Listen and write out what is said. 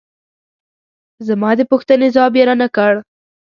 زما د پوښتنې ځواب یې را نه کړ.